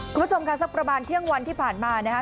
คุณผู้ชมค่ะสักประมาณเที่ยงวันที่ผ่านมานะคะ